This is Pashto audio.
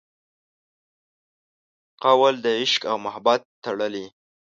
قول د عشق او محبت تړلي